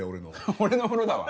俺の風呂だわ！